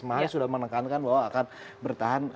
kemarin sudah menekankan bahwa akan bertahan